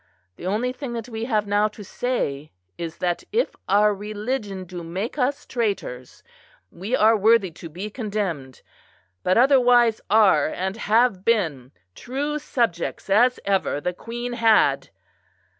The only thing that we have now to say is, that if our religion do make us traitors, we are worthy to be condemned; but otherwise are and have been true subjects as ever the Queen had.